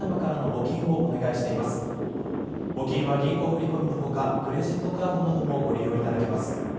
募金は銀行振込の他クレジットカードなどもご利用いただけます。